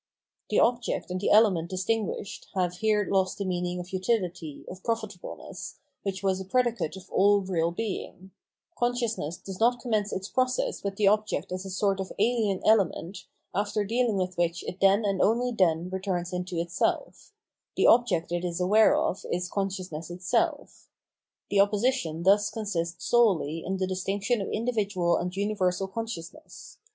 The object and the element distinguished have here lost the meaning of utility, of profitableness, which was a predicate of all real being; consciousness does not commence its process with the object as a sort of alien element after dealing with which it then and only then returns into itself; the object it is aware of is conscious ness itself. The opposition thus consists solely in the distinction of individual and universal consciousness.